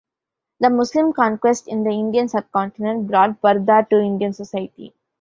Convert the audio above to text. The Muslim conquest in the Indian subcontinent brought purdah to Indian society.